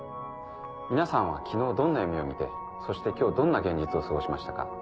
皆さんは昨日どんな夢を見てそして今日どんな現実を過ごしましたか？